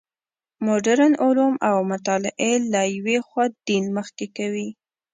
مډرن علوم او مطالعې له یوې خوا دین مخ کوي.